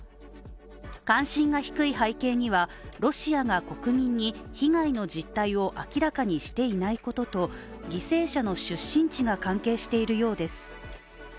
関心が低い背景には、ロシアが国民に被害の実態を明らかにしていないことと犠牲者の出身地が関係しているようです。